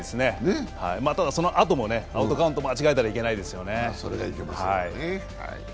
ただ、そのあともアウトカウント間違えたらいけないですよね。